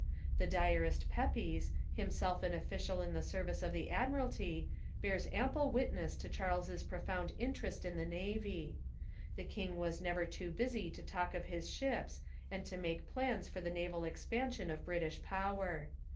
The diarist Pepys, himself an official in the service of the admiralty, bears ample wit ness to Charles's profound interest in the navy. The king was never too busy to talk of his ships and to make plans for the naval expan sion of British power.